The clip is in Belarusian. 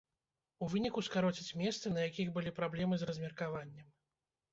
У выніку скароцяць месцы, на якіх былі праблемы з размеркаваннем.